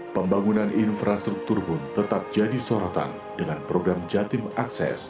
pembangunan infrastruktur pun tetap jadi sorotan dengan program jatim akses